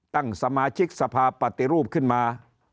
ตั้งสมาชิกสภาปฏิรูปขึ้นมา